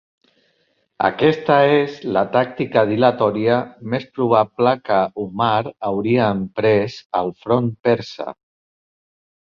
Aquesta és la tàctica dilatòria més probable que Umar hauria emprès al front Persa.